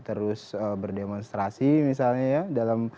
terus berdemonstrasi misalnya